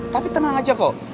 tapi tenang aja kok